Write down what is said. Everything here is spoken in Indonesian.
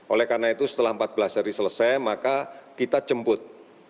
oleh karena itu setelah empat belas hari selesai maka kita jemput